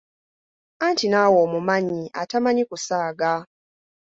Anti naawe omumanyi atamanyi kusaaga!